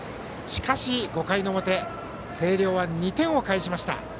しかし、５回の表星稜は２点を返しました。